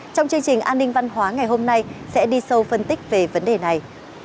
trong chương trình an ninh văn hóa ngày hôm nay sẽ đi sâu phân tích về vấn đề này